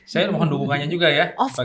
saya mohon dukungannya juga ya of course